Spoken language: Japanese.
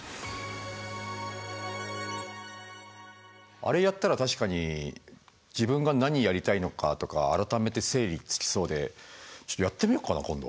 あれやったら確かに自分が何やりたいのかとか改めて整理つきそうでちょっとやってみよっかな今度。